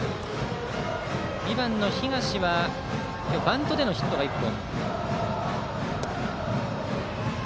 ２番、東は今日バントでのヒットが１本。